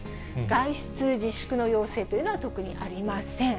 外出自粛の要請というのは特にありません。